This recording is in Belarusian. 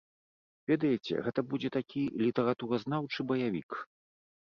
Ведаеце, гэта будзе такі літаратуразнаўчы баявік.